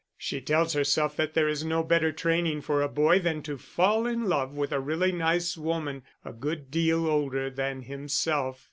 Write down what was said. She tells herself that there is no better training for a boy than to fall in love with a really nice woman a good deal older than himself.